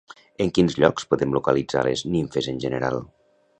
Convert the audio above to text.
En quins llocs podem localitzar les nimfes en general?